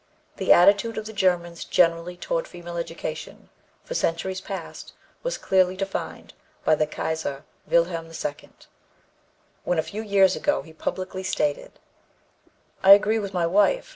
The attitude of the Germans generally toward female education, for centuries past, was clearly defined by the Kaiser Wilhelm II, when, a few years ago, he publicly stated: "I agree with my wife.